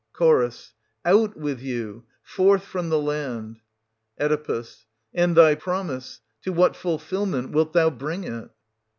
'^ Ch. Out with you 1 forth from the land ! Oe. And thy promise — to what fulfilment wilt thou bring it